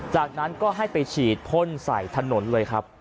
จากนั้นก็ให้ไปฉีดพ่นใส่ถนนเลยครับ